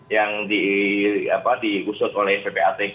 yang diusut oleh ppatk